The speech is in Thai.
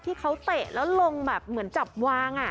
ที่เขาเตะแล้วลงเหมือนจับว่าง